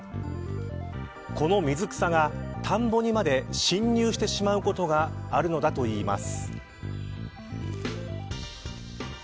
この水草が田んぼにまで侵入してしまうことがあるのだといいます。